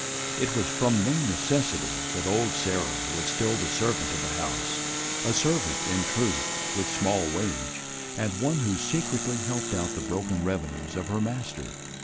It was from no necessity that old Sarah was still the servant of the house; a servant, in truth, with small wage, and one who secretly helped out the broken revenues of her master.